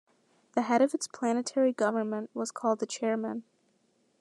The head of its planetary government was called the Chairman.